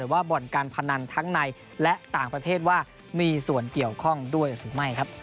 ว่าบ่อนการพนันทั้งในและต่างประเทศว่ามีส่วนเกี่ยวข้องด้วยหรือไม่ครับ